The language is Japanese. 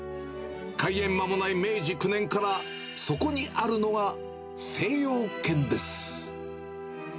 開園まもない明治９年からそこにあるのが精養軒です。